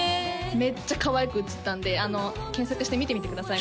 めっちゃかわいく写ったんで検索して見てみてください